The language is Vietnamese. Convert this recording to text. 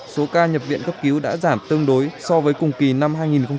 số ca nhập viện cấp cứu đã giảm tương đối so với cùng kỳ năm hai nghìn một mươi chín